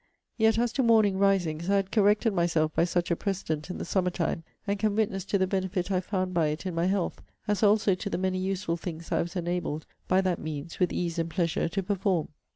Yet, as to morning risings, I had corrected myself by such a precedent, in the summer time; and can witness to the benefit I found by it in my health: as also to the many useful things I was enabled, by that means, with ease and pleasure, to perform.